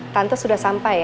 tante sudah sampai ya